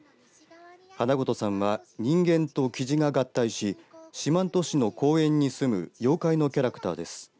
花琴さんは人間ときじが合体し四万十市の公園に住む妖怪のキャラクターです。